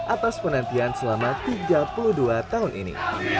atas penantian selama tiga puluh dua tahun ini